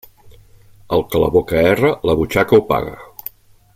El que la boca erra, la butxaca ho paga.